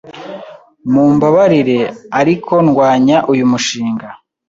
Mumbabarire, ariko ndwanya uyu mushinga.